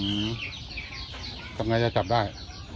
อืมทำไงจะจับได้